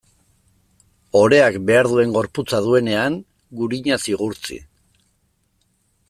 Oreak behar duen gorputza duenean, gurinaz igurtzi.